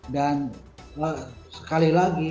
dan sekali lagi